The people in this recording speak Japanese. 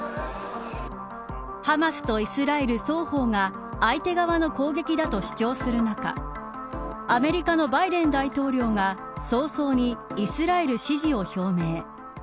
ハマスとイスラエル双方が相手側の攻撃だと主張する中アメリカのバイデン大統領が早々にイスラエル支持を表明。